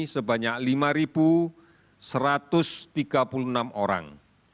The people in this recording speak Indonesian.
sebanyak lima satu ratus tiga puluh enam orang